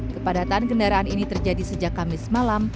kepadatan kendaraan ini terjadi sejak kamis malam